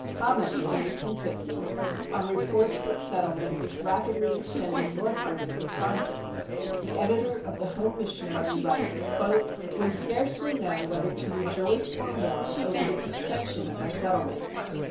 Commenting in 1850 on reports that settlement was rapidly extending northward in Wisconsin, the editor of the Home Missionary writes: "We scarcely know whether to rejoice or mourn over this extension of our settlements.